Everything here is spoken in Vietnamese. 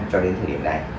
cho đến thời điểm này